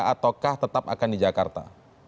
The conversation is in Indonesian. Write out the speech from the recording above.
ataukah tetap akan di jakarta